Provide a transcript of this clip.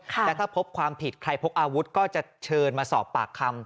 แต่ถ้าพบความผิดใครพกอาวุธก็จะเชิญมาสอบปากคำ